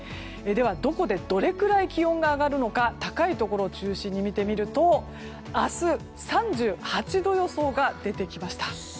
どこで、どれくらい気温が上がるのか高いところを中心に見てみると明日、３８度予想が出てきました。